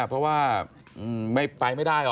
เพราะว่าไปไม่ได้